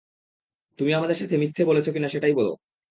তুমি আমাদের সাথে মিথ্যে বলেছো কিনা সেটা বলো।